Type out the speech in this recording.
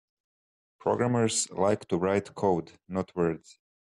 Programmers like to write code; not words.